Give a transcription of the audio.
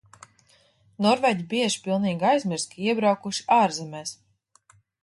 Norvēģi bieži pilnīgi aizmirst, ka iebraukuši ārzemēs.